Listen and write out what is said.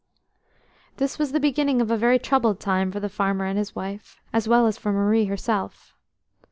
This was the beginning of a very troubled time for the farmer and his wife, as well as for Marie herself.